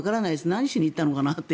何しに行ったのかなと。